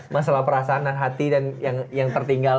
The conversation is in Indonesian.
masalah perasaan dan hati dan yang tertinggal